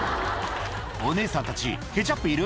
「お姉さんたちケチャップいる？